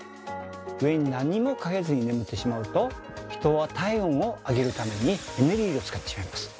上に何もかけずに眠ってしまうと人は体温を上げるためにエネルギーを使ってしまいます。